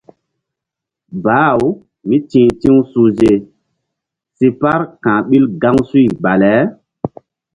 Bah-u mí ti̧h ti̧w suhze si par ka̧h ɓil gaŋsuy bale.